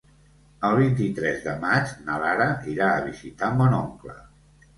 El vint-i-tres de maig na Lara irà a visitar mon oncle.